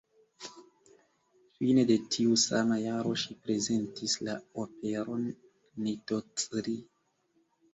Fine de tiu sama jaro ŝi prezentis la operon "Nitocri".